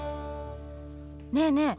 ねえねえ